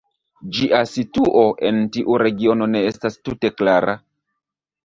Ĝia situo en tiu regiono ne estas tute klara.